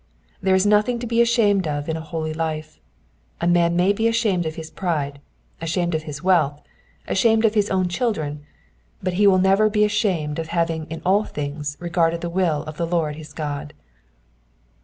There is nothing to be ashamed of in a holy life ; a man may be ashamed of his pride, ashamed of his wealth, ashamed of his own children, but he will never be ashamed of having in all things regarded the will of the Lord his God.